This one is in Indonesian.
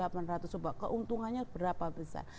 mbak keuntungannya berapa besar